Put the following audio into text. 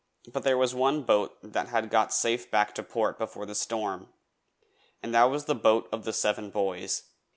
But there was one boat that had got safe back to port before the storm, and that was the boat of the Seven Boys.